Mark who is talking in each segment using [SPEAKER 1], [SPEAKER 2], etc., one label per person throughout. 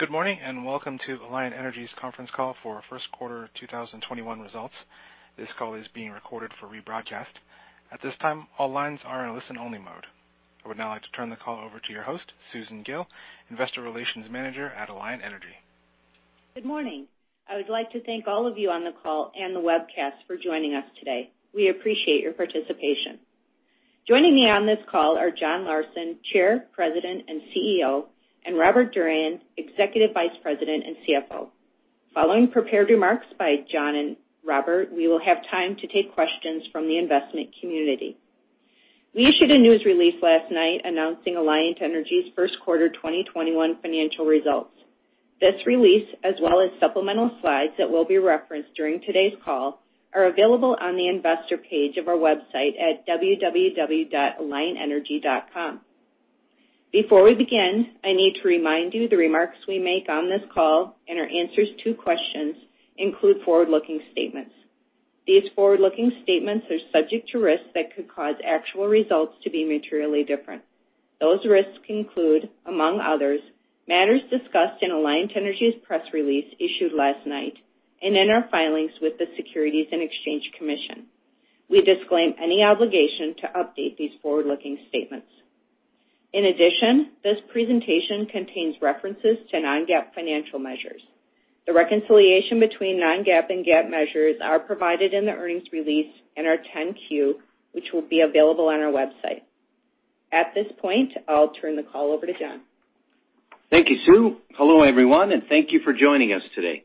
[SPEAKER 1] Good morning, welcome to Alliant Energy's conference call for first quarter 2021 results. This call is being recorded for rebroadcast. At this time, all lines are in listen-only mode. I would now like to turn the call over to your host, Susan Gille, Investor Relations Manager at Alliant Energy.
[SPEAKER 2] Good morning. I would like to thank all of you on the call and the webcast for joining us today. We appreciate your participation. Joining me on this call are John Larsen, Chair, President, and CEO, and Robert Durian, Executive Vice President and CFO. Following prepared remarks by John and Robert, we will have time to take questions from the investment community. We issued a news release last night announcing Alliant Energy's first quarter 2021 financial results. This release, as well as supplemental slides that will be referenced during today's call, are available on the investor page of our website at www.alliantenergy.com. Before we begin, I need to remind you the remarks we make on this call and our answers to questions include forward-looking statements. These forward-looking statements are subject to risks that could cause actual results to be materially different. Those risks include, among others, matters discussed in Alliant Energy's press release issued last night and in our filings with the Securities and Exchange Commission. We disclaim any obligation to update these forward-looking statements. In addition, this presentation contains references to non-GAAP financial measures. The reconciliation between non-GAAP and GAAP measures are provided in the earnings release and our 10-Q, which will be available on our website. At this point, I'll turn the call over to John.
[SPEAKER 3] Thank you, Sue. Hello, everyone, thank you for joining us today.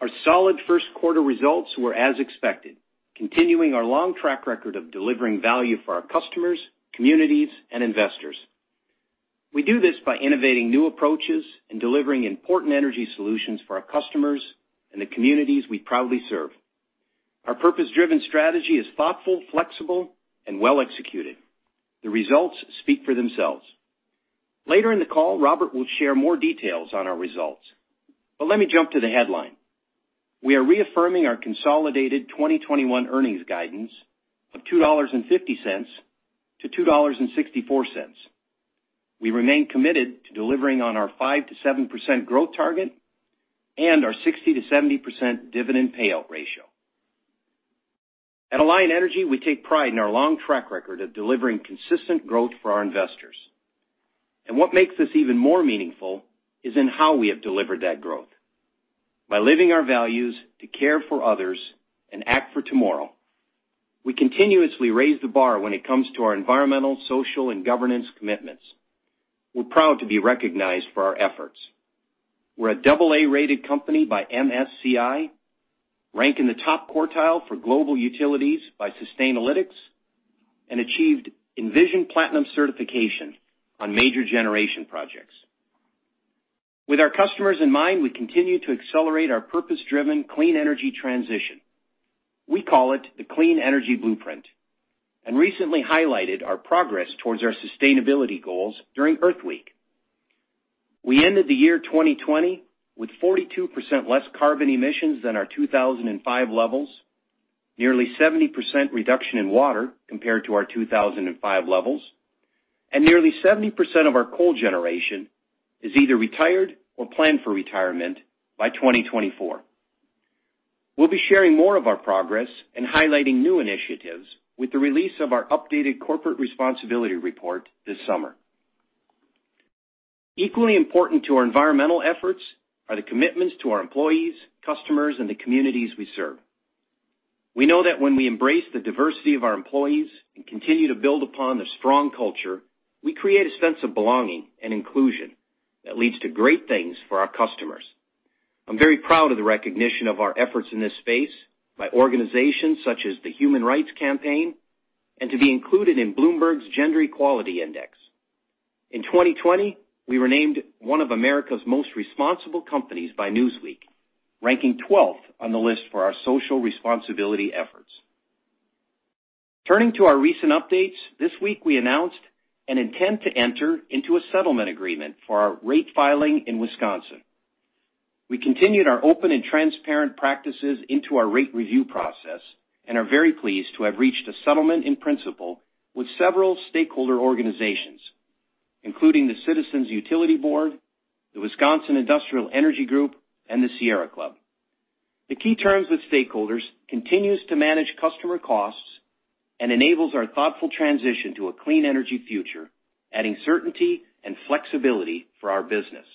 [SPEAKER 3] Our solid first quarter results were as expected, continuing our long track record of delivering value for our customers, communities, and investors. We do this by innovating new approaches and delivering important energy solutions for our customers and the communities we proudly serve. Our purpose-driven strategy is thoughtful, flexible, and well-executed. The results speak for themselves. Later in the call, Robert will share more details on our results, but let me jump to the headline. We are reaffirming our consolidated 2021 earnings guidance of $2.50-$2.64. We remain committed to delivering on our 5%-7% growth target and our 60%-70% dividend payout ratio. At Alliant Energy, we take pride in our long track record of delivering consistent growth for our investors. What makes this even more meaningful is in how we have delivered that growth. By living our values to care for others and act for tomorrow, we continuously raise the bar when it comes to our environmental, social, and governance commitments. We're proud to be recognized for our efforts. We're a double A-rated company by MSCI, rank in the top quartile for global utilities by Sustainalytics, and achieved Envision Platinum certification on major generation projects. With our customers in mind, we continue to accelerate our purpose-driven clean energy transition. We call it the Clean Energy Blueprint and recently highlighted our progress towards our sustainability goals during Earth Week. We ended the year 2020 with 42% less carbon emissions than our 2005 levels, nearly 70% reduction in water compared to our 2005 levels, and nearly 70% of our coal generation is either retired or planned for retirement by 2024. We'll be sharing more of our progress and highlighting new initiatives with the release of our updated corporate responsibility report this summer. Equally important to our environmental efforts are the commitments to our employees, customers, and the communities we serve. We know that when we embrace the diversity of our employees and continue to build upon their strong culture, we create a sense of belonging and inclusion that leads to great things for our customers. I'm very proud of the recognition of our efforts in this space by organizations such as the Human Rights Campaign and to be included in Bloomberg's Gender-Equality Index. In 2020, we were named one of America's most responsible companies by Newsweek, ranking 12th on the list for our social responsibility efforts. Turning to our recent updates, this week we announced an intent to enter into a settlement agreement for our rate filing in Wisconsin. We continued our open and transparent practices into our rate review process and are very pleased to have reached a settlement in principle with several stakeholder organizations, including the Citizens Utility Board, the Wisconsin Industrial Energy Group, and the Sierra Club. The key terms with stakeholders continues to manage customer costs and enables our thoughtful transition to a clean energy future, adding certainty and flexibility for our business.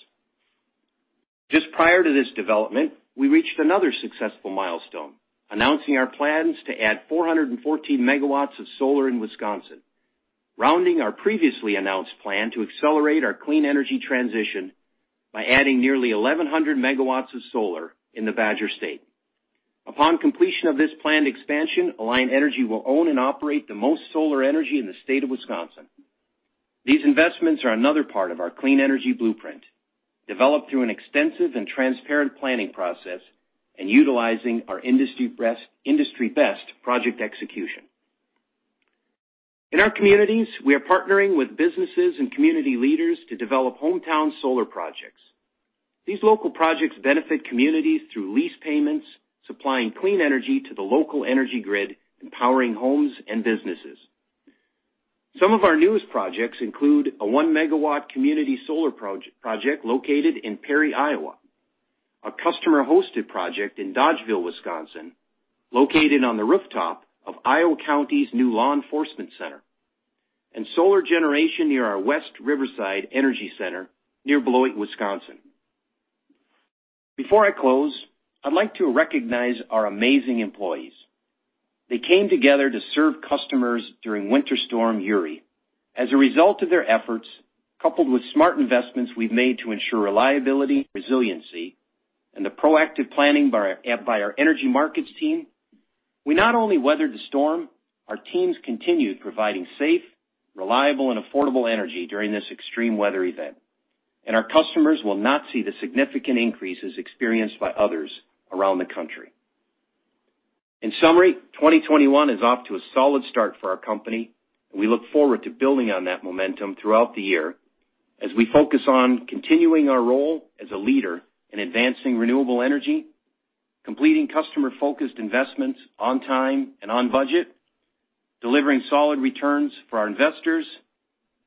[SPEAKER 3] Just prior to this development, we reached another successful milestone, announcing our plans to add 414 megawatts of solar in Wisconsin, rounding our previously announced plan to accelerate our clean energy transition by adding nearly 1,100 megawatts of solar in the Badger State. Upon completion of this planned expansion, Alliant Energy will own and operate the most solar energy in the state of Wisconsin. These investments are another part of our Clean Energy Blueprint, developed through an extensive and transparent planning process and utilizing our industry-best project execution. In our communities, we are partnering with businesses and community leaders to develop hometown solar projects. These local projects benefit communities through lease payments, supplying clean energy to the local energy grid, and powering homes and businesses. Some of our newest projects include a one-megawatt community solar project located in Perry, Iowa, a customer-hosted project in Dodgeville, Wisconsin, located on the rooftop of Iowa County's new law enforcement center, and solar generation near our West Riverside Energy Center near Beloit, Wisconsin. Before I close, I'd like to recognize our amazing employees. They came together to serve customers during Winter Storm Uri. As a result of their efforts, coupled with smart investments we've made to ensure reliability, resiliency, and the proactive planning by our energy markets team, we not only weathered the storm, our teams continued providing safe, reliable, and affordable energy during this extreme weather event. Our customers will not see the significant increases experienced by others around the country. In summary, 2021 is off to a solid start for our company. We look forward to building on that momentum throughout the year as we focus on continuing our role as a leader in advancing renewable energy, completing customer-focused investments on time and on budget, delivering solid returns for our investors,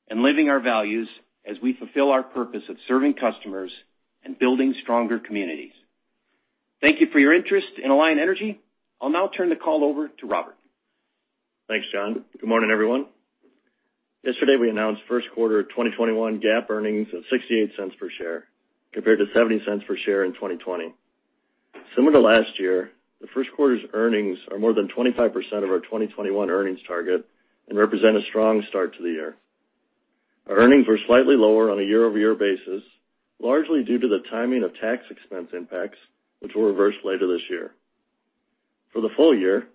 [SPEAKER 3] and living our values as we fulfill our purpose of serving customers and building stronger communities. Thank you for your interest in Alliant Energy. I'll now turn the call over to Robert.
[SPEAKER 4] Thanks, John. Good morning, everyone. Yesterday, we announced first quarter 2021 GAAP earnings of $0.68 per share compared to $0.70 per share in 2020. Similar to last year, the first quarter's earnings are more than 25% of our 2021 earnings target and represent a strong start to the year. Our earnings were slightly lower on a year-over-year basis, largely due to the timing of tax expense impacts, which will reverse later this year. For the full year,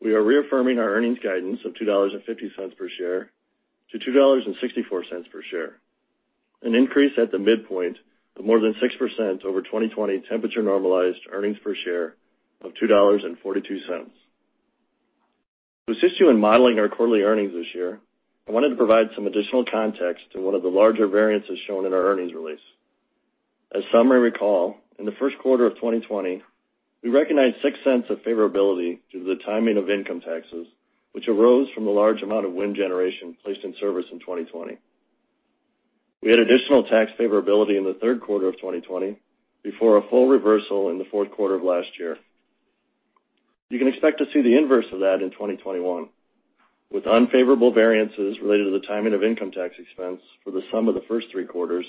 [SPEAKER 4] we are reaffirming our earnings guidance of $2.50 per share to $2.64 per share, an increase at the midpoint of more than 6% over 2020 temperature-normalized earnings per share of $2.42. To assist you in modeling our quarterly earnings this year, I wanted to provide some additional context to one of the larger variances shown in our earnings release. As some may recall, in the first quarter of 2020, we recognized $0.06 of favorability due to the timing of income taxes, which arose from the large amount of wind generation placed in service in 2020. We had additional tax favorability in the third quarter of 2020 before a full reversal in the fourth quarter of last year. You can expect to see the inverse of that in 2021, with unfavorable variances related to the timing of income tax expense for the sum of the first three quarters,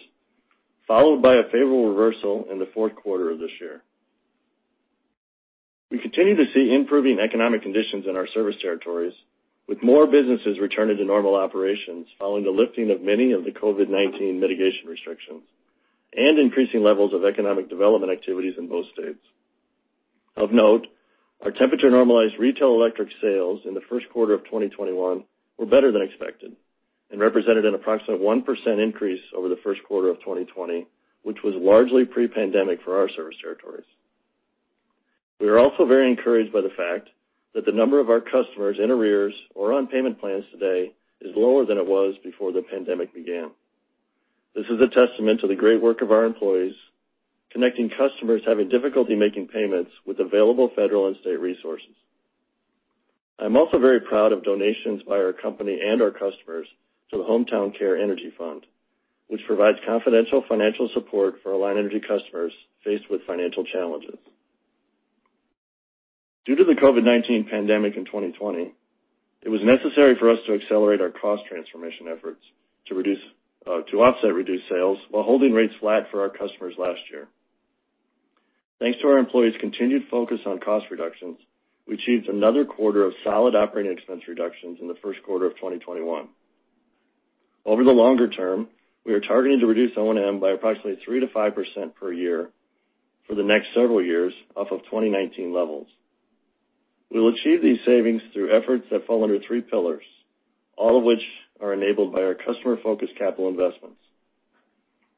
[SPEAKER 4] followed by a favorable reversal in the fourth quarter of this year. We continue to see improving economic conditions in our service territories, with more businesses returning to normal operations following the lifting of many of the COVID-19 mitigation restrictions and increasing levels of economic development activities in both states. Of note, our temperature-normalized retail electric sales in the first quarter of 2021 were better than expected and represented an approximate 1% increase over the first quarter of 2020, which was largely pre-pandemic for our service territories. We are also very encouraged by the fact that the number of our customers in arrears or on payment plans today is lower than it was before the pandemic began. This is a testament to the great work of our employees, connecting customers having difficulty making payments with available federal and state resources. I'm also very proud of donations by our company and our customers to the Hometown Care Energy Fund, which provides confidential financial support for Alliant Energy customers faced with financial challenges. Due to the COVID-19 pandemic in 2020, it was necessary for us to accelerate our cost transformation efforts to offset reduced sales while holding rates flat for our customers last year. Thanks to our employees' continued focus on cost reductions, we achieved another quarter of solid operating expense reductions in the first quarter of 2021. Over the longer term, we are targeting to reduce O&M by approximately 3%-5% per year for the next several years off of 2019 levels. We will achieve these savings through efforts that fall under three pillars, all of which are enabled by our customer-focused capital investments.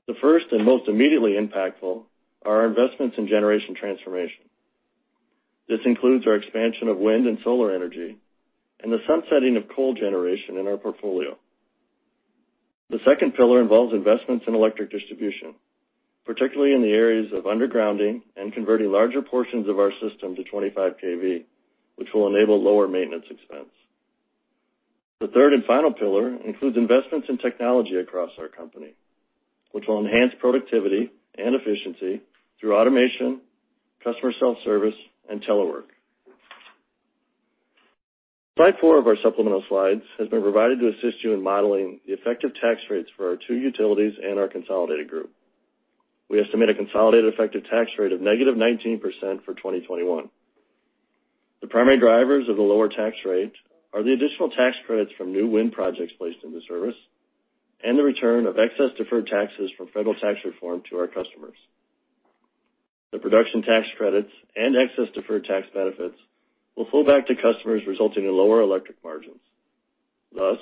[SPEAKER 4] The first and most immediately impactful are our investments in generation transformation. This includes our expansion of wind and solar energy and the sunsetting of coal generation in our portfolio. The second pillar involves investments in electric distribution, particularly in the areas of undergrounding and converting larger portions of our system to 25 kV, which will enable lower maintenance expense. The third and final pillar includes investments in technology across our company, which will enhance productivity and efficiency through automation, customer self-service, and telework. Slide four of our supplemental slides has been provided to assist you in modeling the effective tax rates for our two utilities and our consolidated group. We estimate a consolidated effective tax rate of negative 19% for 2021. The primary drivers of the lower tax rate are the additional tax credits from new wind projects placed into service and the return of excess deferred taxes from federal tax reform to our customers. The production tax credits and excess deferred tax benefits will flow back to customers, resulting in lower electric margins. Thus,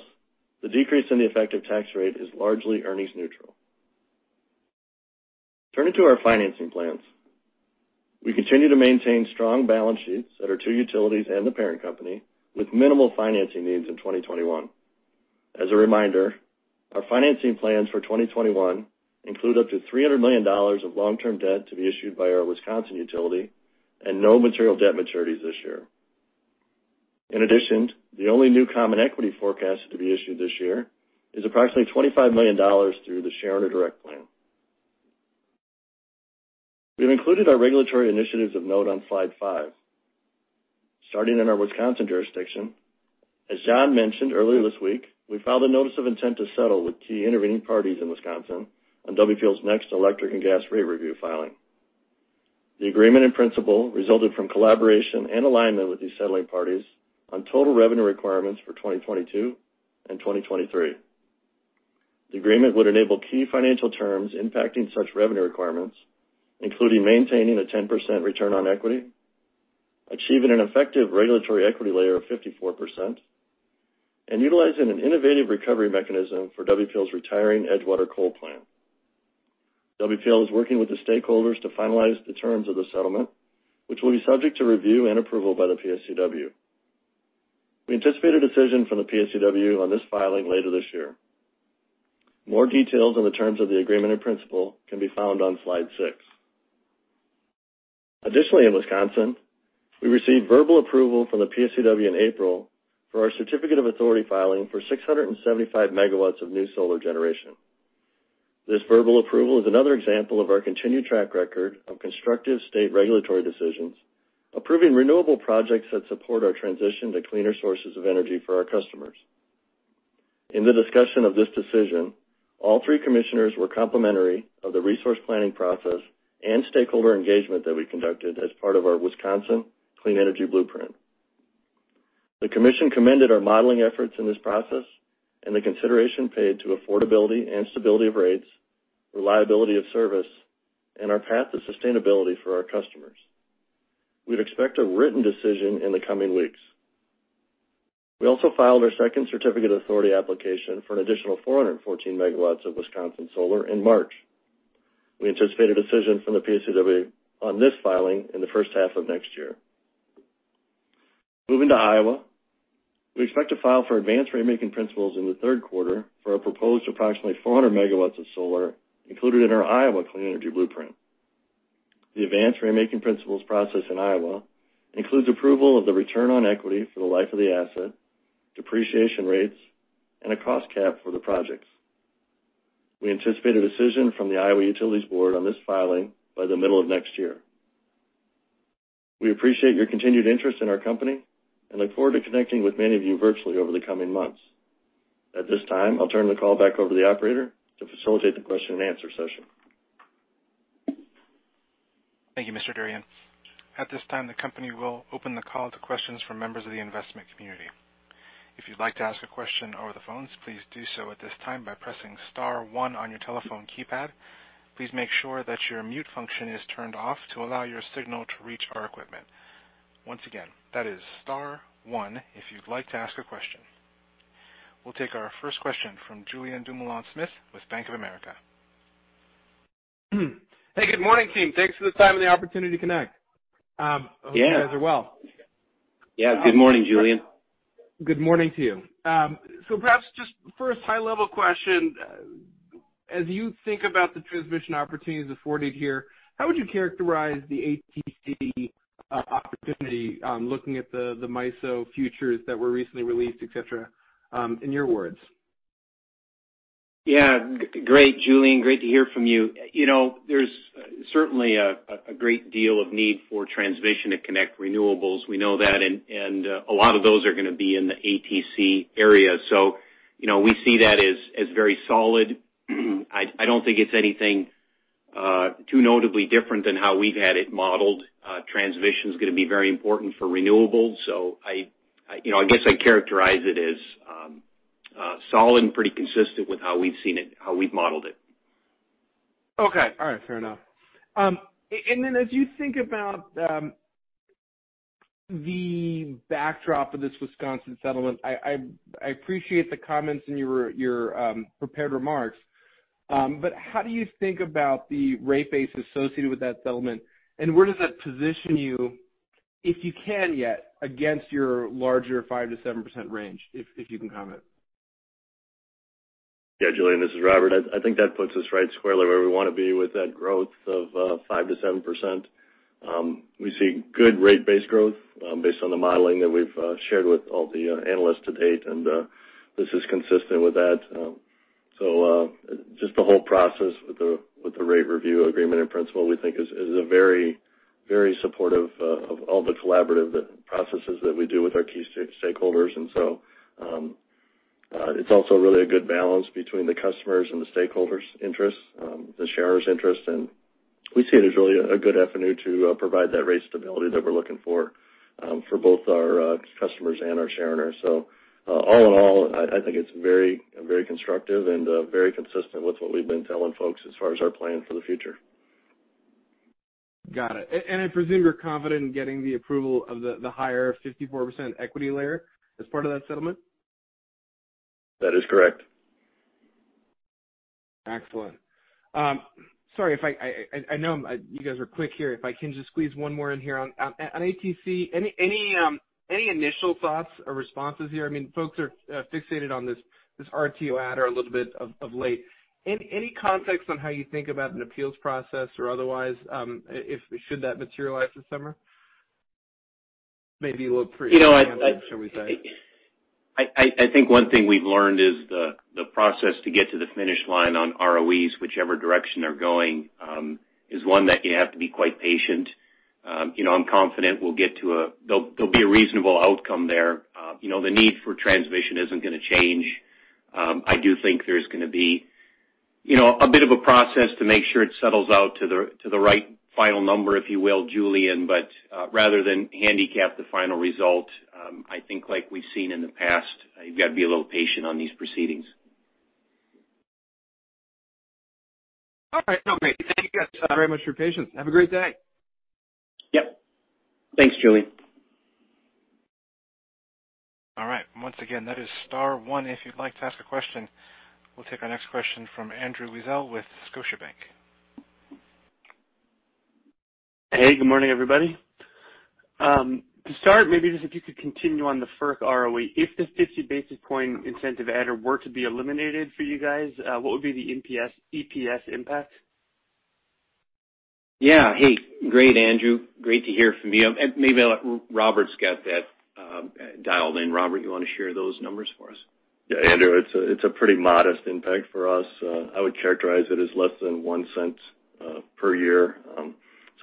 [SPEAKER 4] the decrease in the effective tax rate is largely earnings neutral. Turning to our financing plans. We continue to maintain strong balance sheets at our two utilities and the parent company with minimal financing needs in 2021. As a reminder, our financing plans for 2021 include up to $300 million of long-term debt to be issued by our Wisconsin utility and no material debt maturities this year. In addition, the only new common equity forecast to be issued this year is approximately $25 million through the Shareowner Direct Plan. We've included our regulatory initiatives of note on slide five. Starting in our Wisconsin jurisdiction, as John mentioned earlier this week, we filed a notice of intent to settle with key intervening parties in Wisconsin on WPL's next electric and gas rate review filing. The agreement in principle resulted from collaboration and alignment with these settling parties on total revenue requirements for 2022 and 2023. The agreement would enable key financial terms impacting such revenue requirements, including maintaining a 10% return on equity, achieving an effective regulatory equity layer of 54%, and utilizing an innovative recovery mechanism for WPL's retiring Edgewater Coal Plant. WPL is working with the stakeholders to finalize the terms of the settlement, which will be subject to review and approval by the PSCW. We anticipate a decision from the PSCW on this filing later this year. More details on the terms of the agreement in principle can be found on slide six. Additionally, in Wisconsin, we received verbal approval from the PSCW in April for our certificate of authority filing for 675 MW of new solar generation. This verbal approval is another example of our continued track record of constructive state regulatory decisions, approving renewable projects that support our transition to cleaner sources of energy for our customers. In the discussion of this decision, all three commissioners were complimentary of the resource planning process and stakeholder engagement that we conducted as part of our Wisconsin Clean Energy Blueprint. The commission commended our modeling efforts in this process and the consideration paid to affordability and stability of rates, reliability of service, and our path to sustainability for our customers. We'd expect a written decision in the coming weeks. We also filed our second certificate of authority application for an additional 414 megawatts of Wisconsin solar in March. We anticipate a decision from the PSCW on this filing in the first half of next year. Moving to Iowa, we expect to file for advanced ratemaking principles in the third quarter for our proposed approximately 400 megawatts of solar included in our Iowa Clean Energy Blueprint. The advanced ratemaking principles process in Iowa includes approval of the return on equity for the life of the asset, depreciation rates, and a cost cap for the projects. We anticipate a decision from the Iowa Utilities Board on this filing by the middle of next year. We appreciate your continued interest in our company and look forward to connecting with many of you virtually over the coming months. At this time, I'll turn the call back over to the operator to facilitate the question and answer session.
[SPEAKER 1] Thank you, Mr. Durian. At this time, the company will open the call to questions from members of the investment community. If you'd like to ask a question over the phones, please do so at this time by pressing star one on your telephone keypad. Please make sure that your mute function is turned off to allow your signal to reach our equipment. Once again, that is star one if you'd like to ask a question. We'll take our first question from Julien Dumoulin-Smith with Bank of America.
[SPEAKER 5] Hey, good morning, team. Thanks for the time and the opportunity to connect.
[SPEAKER 3] Yeah.
[SPEAKER 5] I hope you guys are well.
[SPEAKER 3] Yeah. Good morning, Julien.
[SPEAKER 5] Good morning to you. Perhaps just first high-level question, as you think about the transmission opportunities afforded here, how would you characterize the ATC opportunity, looking at the MISO futures that were recently released, et cetera, in your words?
[SPEAKER 3] Yeah. Great, Julien. Great to hear from you. There is certainly a great deal of need for transmission to connect renewables. We know that, a lot of those are going to be in the ATC area. We see that as very solid. I don't think it is anything too notably different than how we have had it modeled. Transmission is going to be very important for renewables. I guess I would characterize it as solid and pretty consistent with how we have modeled it.
[SPEAKER 5] Okay. All right, fair enough. As you think about the backdrop of this Wisconsin settlement, I appreciate the comments in your prepared remarks, how do you think about the rate base associated with that settlement, and where does that position you, if you can yet, against your larger 5%-7% range, if you can comment?
[SPEAKER 4] Yeah, Julien, this is Robert. I think that puts us right squarely where we want to be with that growth of 5%-7%. We see good rate base growth based on the modeling that we've shared with all the analysts to date, and this is consistent with that. Just the whole process with the rate review agreement and principle, we think is very supportive of all the collaborative processes that we do with our key stakeholders. It's also really a good balance between the customers and the stakeholders' interests, the shareowners' interest, and we see it as really a good avenue to provide that rate stability that we're looking for both our customers and our shareowners. All in all, I think it's very constructive and very consistent with what we've been telling folks as far as our plan for the future.
[SPEAKER 5] Got it. I presume you're confident in getting the approval of the higher 54% equity layer as part of that settlement?
[SPEAKER 4] That is correct.
[SPEAKER 5] Excellent. Sorry, I know you guys are quick here. I can just squeeze one more in here on ATC. Any initial thoughts or responses here? Folks are fixated on this RTO adder a little bit of late. Any context on how you think about an appeals process or otherwise, should that materialize this summer?
[SPEAKER 3] I think one thing we've learned is the process to get to the finish line on ROEs, whichever direction they're going, is one that you have to be quite patient. I'm confident there'll be a reasonable outcome there. The need for transmission isn't going to change. I do think there's going to be a bit of a process to make sure it settles out to the right final number, if you will, Julien. Rather than handicap the final result, I think like we've seen in the past, you've got to be a little patient on these proceedings.
[SPEAKER 5] All right. No, great. Thank you guys very much for your patience. Have a great day.
[SPEAKER 3] Yep. Thanks, Julien.
[SPEAKER 1] All right. Once again, that is star one if you'd like to ask a question. We'll take our next question from Andrew Weisel with Scotiabank.
[SPEAKER 6] Hey, good morning, everybody. To start, maybe just if you could continue on the FERC ROE. If the 50 basis point incentive adder were to be eliminated for you guys, what would be the EPS impact?
[SPEAKER 3] Yeah. Hey, great, Andrew. Great to hear from you. Maybe Robert's got that dialed in. Robert, you want to share those numbers for us?
[SPEAKER 4] Andrew, it's a pretty modest impact for us. I would characterize it as less than $0.01 per year.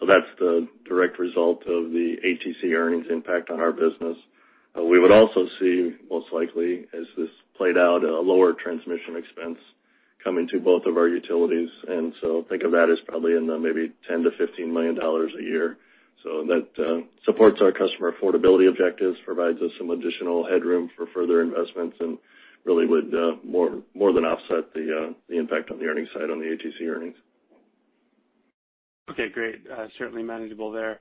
[SPEAKER 4] That's the direct result of the ATC earnings impact on our business. We would also see, most likely, as this played out, a lower transmission expense coming to both of our utilities. Think of that as probably in the maybe $10 million-$15 million a year. That supports our customer affordability objectives, provides us some additional headroom for further investments, and really would more than offset the impact on the earnings side on the ATC earnings.
[SPEAKER 6] Okay, great. Certainly manageable there.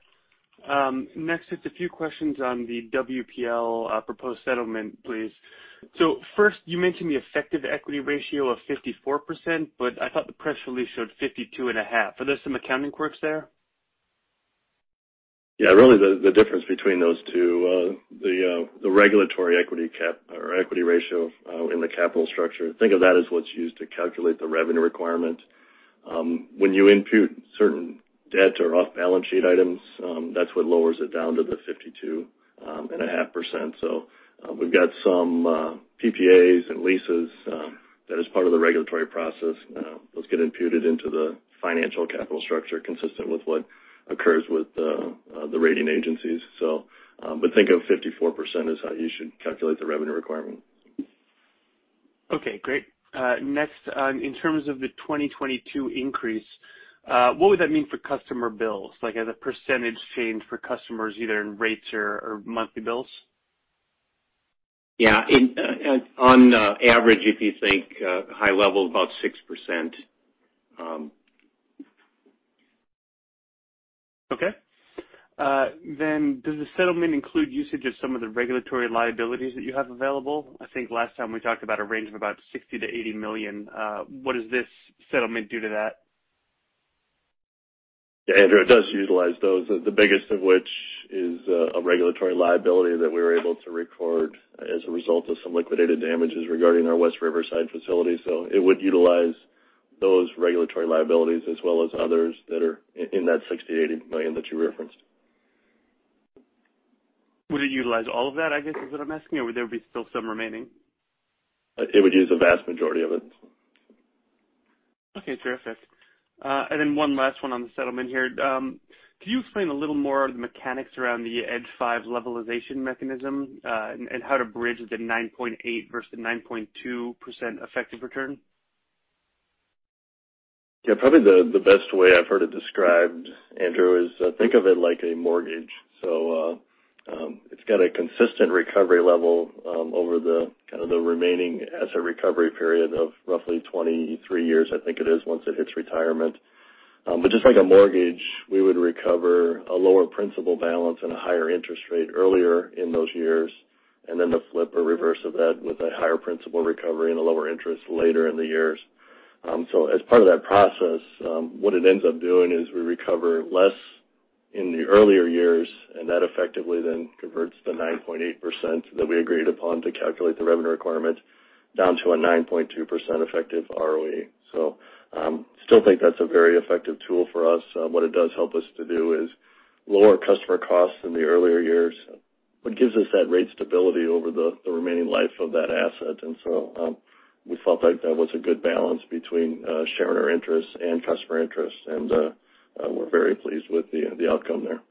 [SPEAKER 6] Next, just a few questions on the WPL proposed settlement, please. First, you mentioned the effective equity ratio of 54%, but I thought the press release showed 52.5%. Are there some accounting quirks there?
[SPEAKER 4] Yeah, really the difference between those two, the regulatory equity ratio in the capital structure. Think of that as what's used to calculate the revenue requirement. When you impute certain debt or off-balance sheet items, that's what lowers it down to the 52.5%. We've got some PPAs and leases that as part of the regulatory process, those get imputed into the financial capital structure consistent with what occurs with the rating agencies. Think of 54% as how you should calculate the revenue requirement.
[SPEAKER 6] Okay, great. Next, in terms of the 2022 increase, what would that mean for customer bills? Like as a percentage change for customers, either in rates or monthly bills?
[SPEAKER 3] Yeah. On average, if you think high level, about 6%.
[SPEAKER 6] Okay. Does the settlement include usage of some of the regulatory liabilities that you have available? I think last time we talked about a range of about $60 million-$80 million. What does this settlement do to that?
[SPEAKER 4] Yeah, Andrew, it does utilize those. The biggest of which is a regulatory liability that we were able to record as a result of some liquidated damages regarding our West Riverside facility. It would utilize those regulatory liabilities as well as others that are in that $60 million-$80 million that you referenced.
[SPEAKER 6] Would it utilize all of that, I guess, is what I'm asking? Would there be still some remaining?
[SPEAKER 4] It would use the vast majority of it.
[SPEAKER 6] Okay, terrific. One last one on the settlement here. Can you explain a little more of the mechanics around the Edgewater five levelization mechanism, and how to bridge the 9.8% versus the 9.2% effective return?
[SPEAKER 4] Yeah, probably the best way I've heard it described, Andrew, is think of it like a mortgage. It's got a consistent recovery level over the remaining asset recovery period of roughly 23 years, I think it is, once it hits retirement. Just like a mortgage, we would recover a lower principal balance and a higher interest rate earlier in those years, and then the flip or reverse of that with a higher principal recovery and a lower interest later in the years. As part of that process, what it ends up doing is we recover less in the earlier years, and that effectively then converts the 9.8% that we agreed upon to calculate the revenue requirement down to a 9.2% effective ROE. Still think that's a very effective tool for us. What it does help us to do is lower customer costs in the earlier years, but gives us that rate stability over the remaining life of that asset. We felt like that was a good balance between sharing our interests and customer interests, and we're very pleased with the outcome there.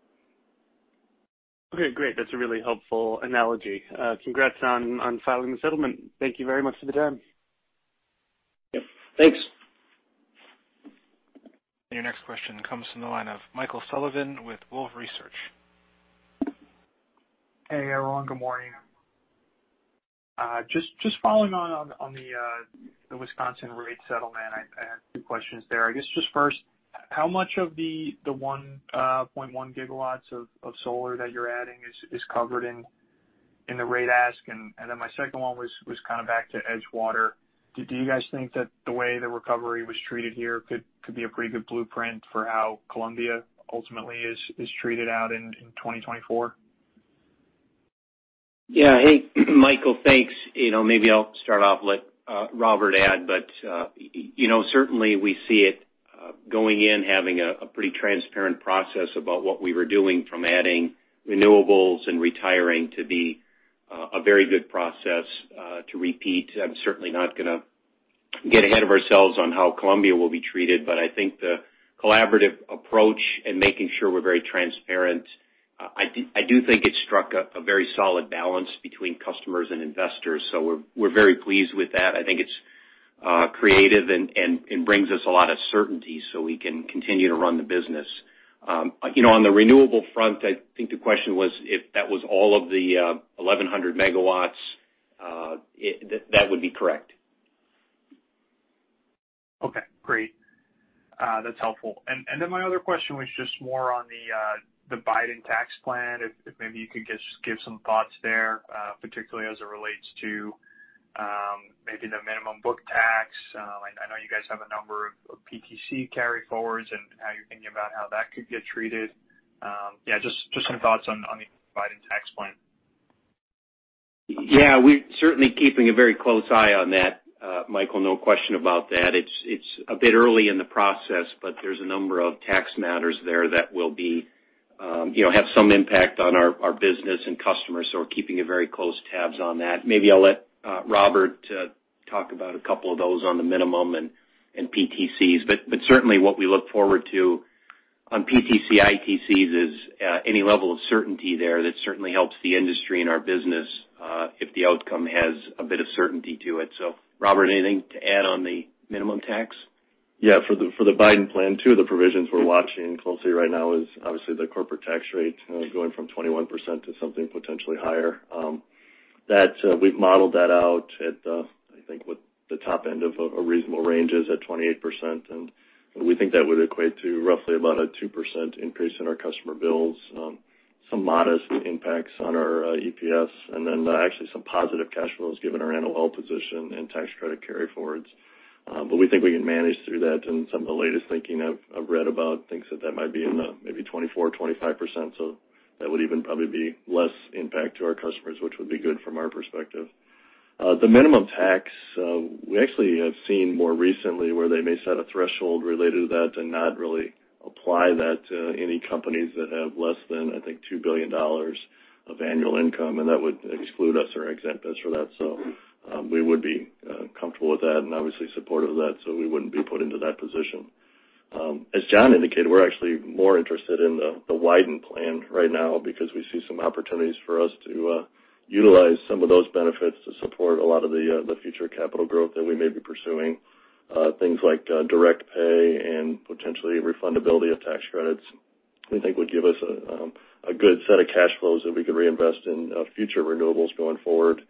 [SPEAKER 6] Okay, great. That's a really helpful analogy. Congrats on filing the settlement. Thank you very much for the time.
[SPEAKER 4] Yep. Thanks.
[SPEAKER 1] Your next question comes from the line of Michael Sullivan with Wolfe Research.
[SPEAKER 7] Hey, everyone. Good morning. Just following on the Wisconsin rate settlement, I have two questions there. I guess just first, how much of the 1.1 GW of solar that you're adding is covered in the rate ask. My second one was kind of back to Edgewater. Do you guys think that the way the recovery was treated here could be a pretty good blueprint for how Columbia ultimately is treated out in 2024?
[SPEAKER 3] Yeah. Hey, Michael, thanks. Maybe I'll start off, let Robert add, but certainly we see it going in, having a pretty transparent process about what we were doing from adding renewables and retiring to be a very good process to repeat. I'm certainly not going to get ahead of ourselves on how Columbia will be treated, but I think the collaborative approach and making sure we're very transparent, I do think it struck a very solid balance between customers and investors. We're very pleased with that. I think it's creative and brings us a lot of certainty so we can continue to run the business. On the renewable front, I think the question was if that was all of the 1,100 megawatts. That would be correct.
[SPEAKER 7] Okay, great. That's helpful. My other question was just more on the Biden tax plan, if maybe you could just give some thoughts there, particularly as it relates to maybe the minimum book tax. I know you guys have a number of PTC carry forwards and how you're thinking about how that could get treated. Yeah, just some thoughts on the Biden tax plan.
[SPEAKER 3] Yeah, we're certainly keeping a very close eye on that, Michael, no question about that. It's a bit early in the process, but there's a number of tax matters there that will have some impact on our business and customers, so we're keeping a very close tabs on that. Maybe I'll let Robert talk about a couple of those on the minimum and PTCs. Certainly what we look forward to on PTC/ITCs is any level of certainty there that certainly helps the industry and our business, if the outcome has a bit of certainty to it. Robert, anything to add on the minimum tax?
[SPEAKER 4] Yeah. For the Biden plan, two of the provisions we're watching closely right now is obviously the corporate tax rate going from 21% to something potentially higher. That we've modeled that out at, I think what the top end of a reasonable range is at 28%, and we think that would equate to roughly about a 2% increase in our customer bills. Some modest impacts on our EPS and then actually some positive cash flows given our NOL position and tax credit carry forwards. We think we can manage through that. Some of the latest thinking I've read about thinks that that might be in the maybe 24% or 25%, so that would even probably be less impact to our customers, which would be good from our perspective. The minimum tax, we actually have seen more recently where they may set a threshold related to that and not really apply that to any companies that have less than, I think, $2 billion of annual income, and that would exclude us or exempt us for that. We would be comfortable with that and obviously supportive of that, so we wouldn't be put into that position. As John indicated, we're actually more interested in the Wyden plan right now because we see some opportunities for us to utilize some of those benefits to support a lot of the future capital growth that we may be pursuing. Things like direct pay and potentially refundability of tax credits we think would give us a good set of cash flows that we could reinvest in future renewables going forward.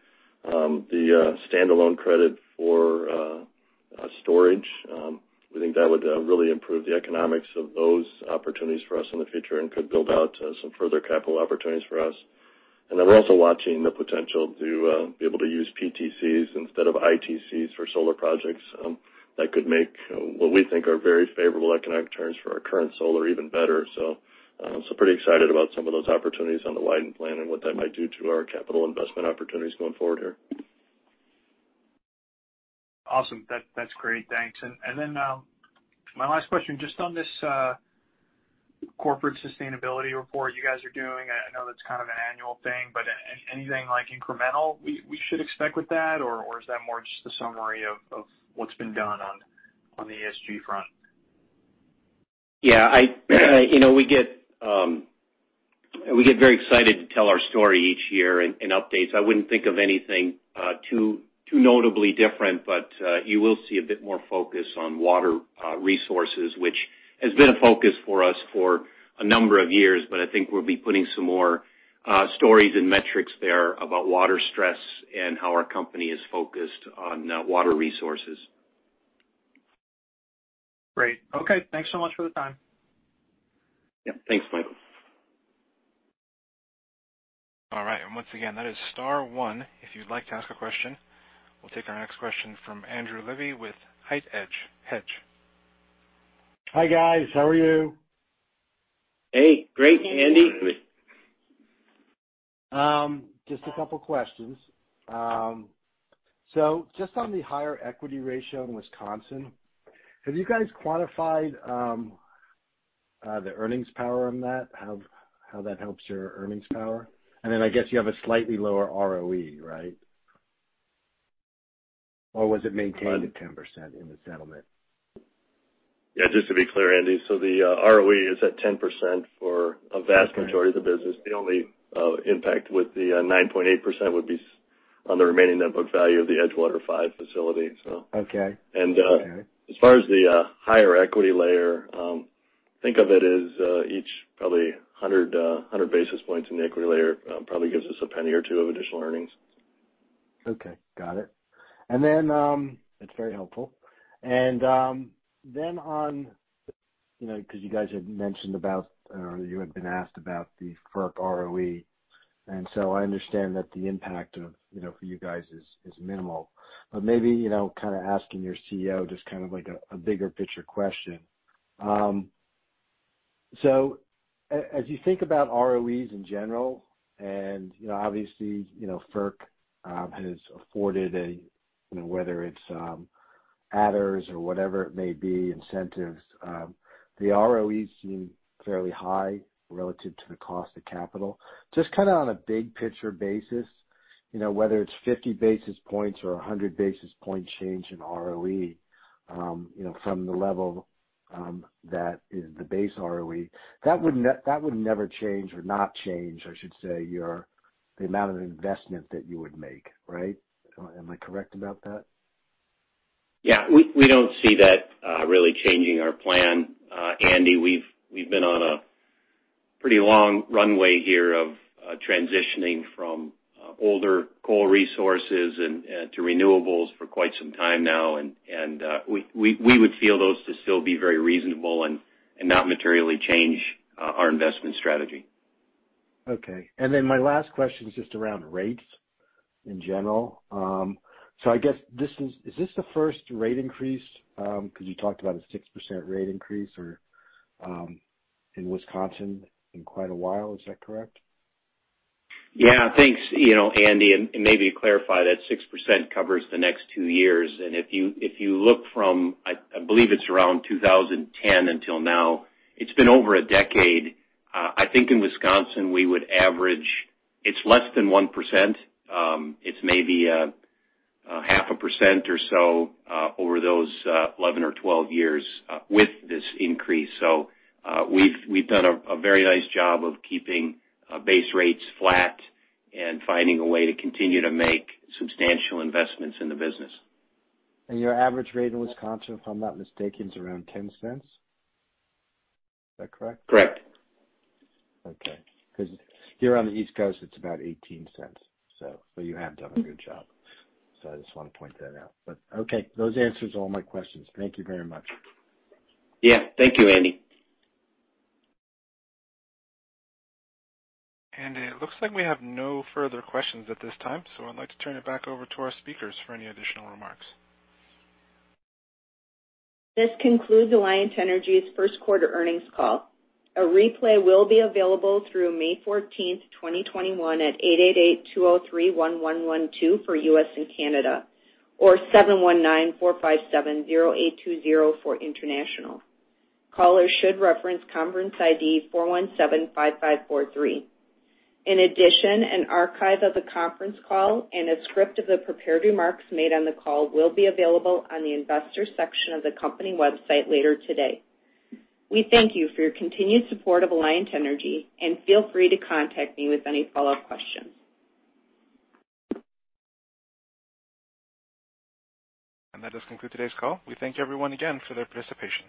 [SPEAKER 4] The standalone credit for storage, we think that would really improve the economics of those opportunities for us in the future and could build out some further capital opportunities for us. We're also watching the potential to be able to use PTCs instead of ITCs for solar projects. That could make what we think are very favorable economic terms for our current solar even better. Pretty excited about some of those opportunities on the Wyden plan and what that might do to our capital investment opportunities going forward here.
[SPEAKER 7] Awesome. That's great. Thanks. My last question, just on this corporate sustainability report you guys are doing, I know that's kind of an annual thing, but anything like incremental we should expect with that, or is that more just a summary of what's been done on the ESG front?
[SPEAKER 3] Yeah. We get very excited to tell our story each year and updates. I wouldn't think of anything too notably different, but you will see a bit more focus on water resources, which has been a focus for us for a number of years. I think we'll be putting some more stories and metrics there about water stress and how our company is focused on water resources.
[SPEAKER 7] Great. Okay. Thanks so much for the time.
[SPEAKER 3] Yep. Thanks, Michael.
[SPEAKER 1] All right. Once again, that is star one if you'd like to ask a question. We'll take our next question from Andrew Levi with HITE Hedge.
[SPEAKER 8] Hi, guys. How are you?
[SPEAKER 3] Hey, great, Andy.
[SPEAKER 8] Just a couple of questions. Just on the higher equity ratio in Wisconsin, have you guys quantified the earnings power on that, how that helps your earnings power? I guess you have a slightly lower ROE, right? Was it maintained at 10% in the settlement?
[SPEAKER 4] Yeah, just to be clear, Andy, the ROE is at 10% for a vast majority of the business. The only impact with the 9.8% would be on the remaining net book value of the Edgewater five facility, so.
[SPEAKER 8] Okay.
[SPEAKER 4] As far as the higher equity layer, think of it as each probably 100 basis points in the equity layer probably gives us $0.01 or $0.02 of additional earnings.
[SPEAKER 8] Okay. Got it. That's very helpful. Because you guys had mentioned about, or you had been asked about the FERC ROE, I understand that the impact for you guys is minimal, but maybe kind of asking your CEO just kind of like a bigger picture question. As you think about ROEs in general, and obviously, FERC has afforded a, whether it's adders or whatever it may be, incentives, the ROEs seem fairly high relative to the cost of capital. Just kind of on a big picture basis, whether it's 50 basis points or 100 basis point change in ROE, from the level that is the base ROE, that would never change or not change, I should say, the amount of investment that you would make, right? Am I correct about that?
[SPEAKER 3] Yeah. We don't see that really changing our plan. Andy, we've been on a pretty long runway here of transitioning from older coal resources to renewables for quite some time now. We would feel those to still be very reasonable and not materially change our investment strategy.
[SPEAKER 8] Okay. My last question is just around rates in general. I guess, is this the first rate increase, because you talked about a 6% rate increase in Wisconsin in quite a while, is that correct?
[SPEAKER 3] Thanks, Andy. Maybe to clarify, that 6% covers the next two years. If you look from, I believe it's around 2010 until now, it's been over a decade. I think in Wisconsin, we would average, it's less than 1%. It's maybe a half a percent or so over those 11 or 12 years with this increase. We've done a very nice job of keeping base rates flat and finding a way to continue to make substantial investments in the business.
[SPEAKER 8] Your average rate in Wisconsin, if I'm not mistaken, is around $0.10. Is that correct?
[SPEAKER 3] Correct.
[SPEAKER 8] Okay. Here on the East Coast, it's about $0.18, you have done a good job. I just want to point that out. Okay, those answers all my questions. Thank you very much.
[SPEAKER 3] Yeah. Thank you, Andy.
[SPEAKER 1] It looks like we have no further questions at this time, so I'd like to turn it back over to our speakers for any additional remarks.
[SPEAKER 2] This concludes Alliant Energy's first quarter earnings call. A replay will be available through May 14th, 2021 at 8882031112 for U.S. and Canada or 7194570820 for international. Caller should reference conference ID 4175543. In addition, an archive of the conference call and a script of the prepared remarks made on the call will be available on the Investors section of the company website later today. We thank you for your continued support of Alliant Energy, and feel free to contact me with any follow-up questions.
[SPEAKER 1] That does conclude today's call. We thank everyone again for their participation.